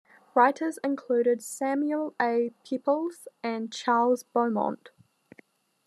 Writers included Samuel A. Peeples and Charles Beaumont.